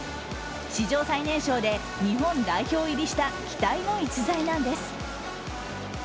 史上最年少で日本代表入りした期待の逸材なんです。